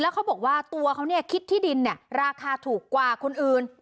เขาบอกว่าตัวเขาคิดที่ดินราคาถูกกว่าคนอื่น